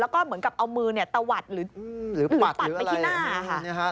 แล้วก็เหมือนกับเอามือตะวัดหรือปัดไปที่หน้าค่ะ